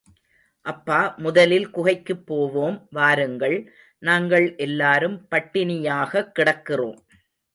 அப்பா, முதலில் குகைக்குப் போவோம், வாருங்கள், நாங்கள் எல்லாரும் பட்டினியாகக் கிடக்கிறோம்.